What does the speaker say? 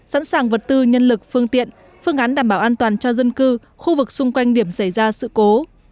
sẵn sàng vật tư nhân lực phương tiện phương án đảm bảo an toàn cho dân cư khu vực xung quanh điểm xảy ra sự cố